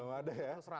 belum ada ya